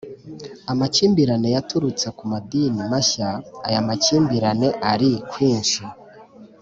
Amakimbirane yaturutse ku madini mashya Aya makimbirane ari kwinshi.